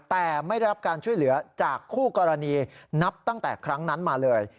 แต่ไม่ได้รับการช่วยเหลือจากคู่กรณีนับตั้งแต่ครั้งนั้นมาเลย